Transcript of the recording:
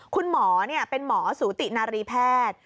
คุณหมอเป็นหมอสูตินารีแพทย์